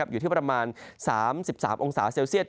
อยู่ที่ประมาณ๓๓องศาเซลเซียต